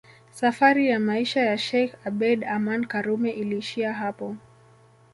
Safari ya maisha ya sheikh Abeid Aman Karume iliishia hapo